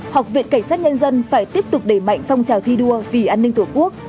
học viện cảnh sát nhân dân phải tiếp tục đẩy mạnh phong trào thi đua vì an ninh tổ quốc